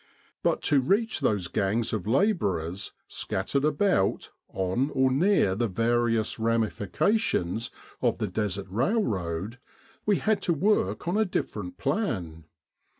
But to reach those gangs of labourers scattered about on or near the various ramifications of the Desert rail road, we had to work on a different plan.